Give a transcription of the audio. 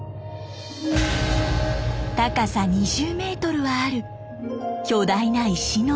高さ２０メートルはある巨大な石の塔。